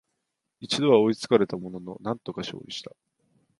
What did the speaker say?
一度は追いつかれたものの、なんとか勝利した